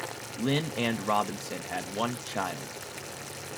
Lin and Robinson had one child.